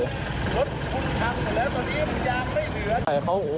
รถทุกขับเสร็จแล้วตอนนี้มุมยางไม่เหนือ